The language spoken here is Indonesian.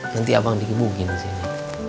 nanti abang dikibukin disini